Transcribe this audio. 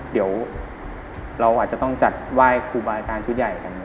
เดี๋ยวเราอาจจะต้องจัดไหว้ครูบาอาจารย์ชุดใหญ่กัน